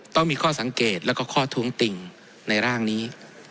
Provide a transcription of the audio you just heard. ต้องมีข้อสังเกตแล้วก็ข้อท้วงติ่งในร่างนี้